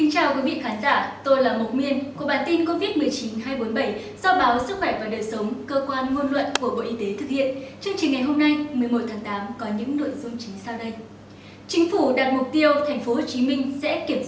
hãy đăng ký kênh để ủng hộ kênh của chúng mình nhé